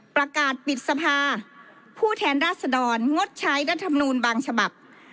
ประกาศปิดสภาผู้แทนราชดรงดใช้รัฐมนูลบางฉบับ